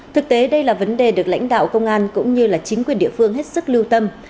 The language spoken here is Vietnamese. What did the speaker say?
thực tế đây là vấn đề được lãnh đạo công an cũng như chính quyền địa phương hết sức lưu tâm